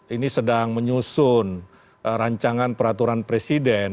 ini sedang menyusun rancangan peraturan presiden